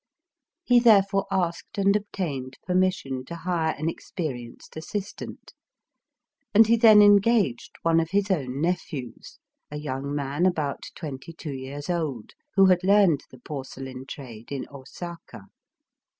He therefore asked and obtained permission to hire an experi enced assistant; and he then engaged one of his own nephews, — a young man about twenty two years old, who had learned the porcelain trade in Osaka.